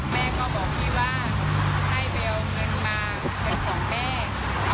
แม่ก็บอกพี่ว่าให้ไปเอาเงินมาเป็นของแม่